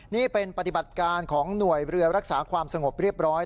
นี่เป็นปฏิบัติการของหน่วยเรือรักษาความสงบเรียบร้อย